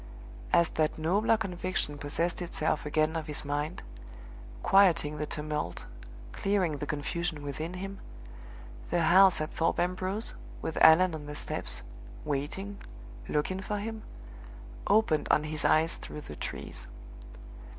As that nobler conviction possessed itself again of his mind quieting the tumult, clearing the confusion within him the house at Thorpe Ambrose, with Allan on the steps, waiting, looking for him, opened on his eyes through the trees.